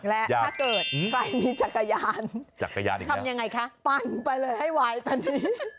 และถ้าเกิดใครมีจักรยานจักรยานทำยังไงคะปั่นไปเลยให้วายตอนนี้